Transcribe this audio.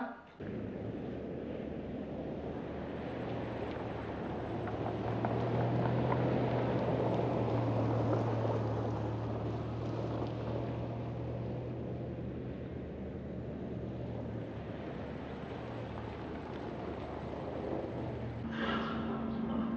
apa sih mau nyetu orang